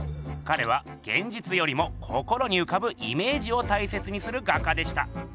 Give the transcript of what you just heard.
かれはげんじつよりも心にうかぶイメージを大切にする画家でした。